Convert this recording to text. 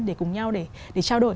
để cùng nhau để trao đổi